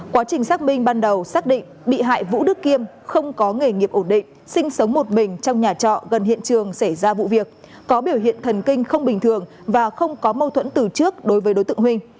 quá trình xác minh ban đầu xác định bị hại vũ đức kiêm không có nghề nghiệp ổn định sinh sống một mình trong nhà trọ gần hiện trường xảy ra vụ việc có biểu hiện thần kinh không bình thường và không có mâu thuẫn từ trước đối với đối tượng huỳnh